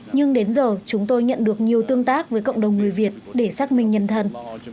nhưng đến giờ chúng tôi nhận được nhiều tương tác với cộng đồng người việt để xác minh nhân thân